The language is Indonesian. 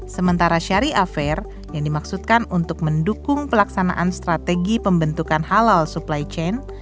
sementara syariah fair yang dimaksudkan untuk mendukung pelaksanaan strategi pembentukan halal supply chain